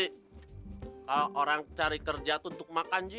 kalau orang cari kerja itu untuk makan ji